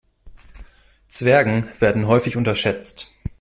Zwergen werden häufig unterschätzt.